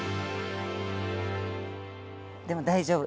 でも大丈夫。